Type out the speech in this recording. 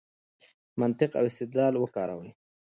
منطق او استدلال وکاروئ.